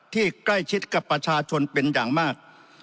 ที่ใกล้ชิดกับประชาชนเป็นอย่างมาก